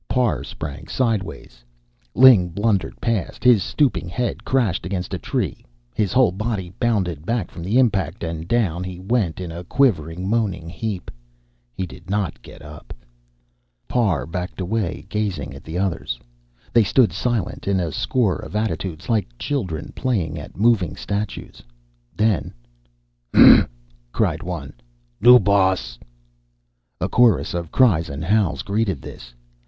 Parr sprang sidewise. Ling blundered past. His stooping head crashed against a tree, his whole body bounded back from the impact, and down he went in a quivering, moaning heap. He did not get up. Parr backed away, gazing at the others. They stood silent in a score of attitudes, like children playing at moving statues. Then: "Huh!" cried one. "New boss!" A chorus of cries and howls greeted this.